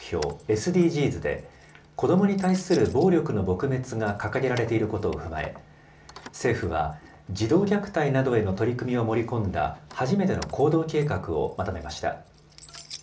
・ＳＤＧｓで子どもに対する暴力の撲滅が掲げられていることを踏まえ政府は児童虐待などへの取り組みを盛り込んだ初めての行動計画をまとめました。